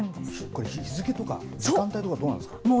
これ、日付とか、時間帯とか、どうなんですか。